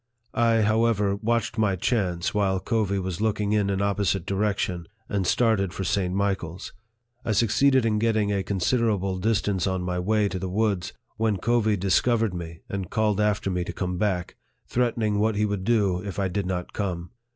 I, however, watched my chance, while Covey was looking in an opposite direc tion, and started for St. Michael's. I succeeded in getting a considerable distance on my way to the woods, when Covey discovered me, and called after me to come back, threatening what he would do if I did not come.